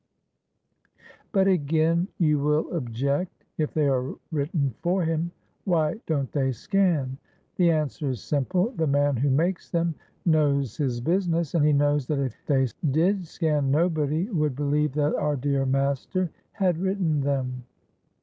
But, again, you will object: if they are written for him, why don't they scan? The answer is simple. The man who makes them knows his business, and he knows that if they did scan nobody would believe that our dear master had written them.